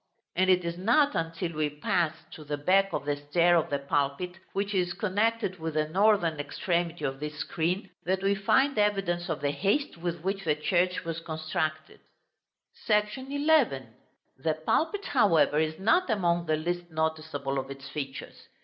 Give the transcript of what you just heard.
And it is not until we pass to the back of the stair of the pulpit, which is connected with the northern extremity of this screen, that we find evidence of the haste with which the church was constructed. § XI. The pulpit, however, is not among the least noticeable of its features.